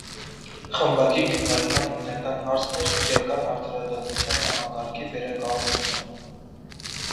Խմբակի քննարկման հիմնական հարցն էր քրեական արդարադատության համակարգի վերակառուցումը։